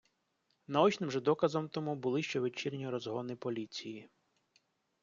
Наочним же доказом тому були щовечірні розгони поліції.